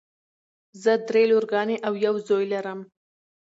زه دری لورګانې او یو زوی لرم.